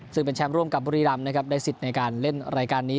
ซึ่งเป็นแชมป์ร่วมกับบุรีรำนะครับได้สิทธิ์ในการเล่นรายการนี้